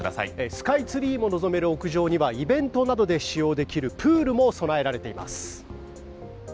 スカイツリーを望める屋上にはイベントなどで使用できるプールも備えられています。